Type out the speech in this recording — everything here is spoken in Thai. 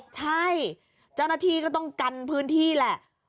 ใช่เจ้าหน้าที่ก็ต้องกันพื้นที่แหละ